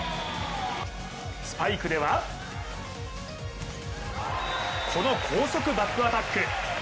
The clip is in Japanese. スパイクではこの高速バックアタック。